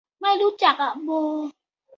ไม่รู้จักอ่ะ โบ